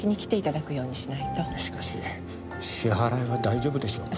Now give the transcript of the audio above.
しかし支払いは大丈夫でしょうか？